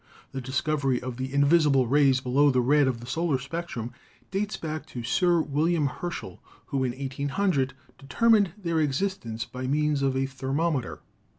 The discovery of the invisible rays below the red of the solar spectrum dates back to Sir William Herschel, who in 1800 determined their existence by means of a ther mometer.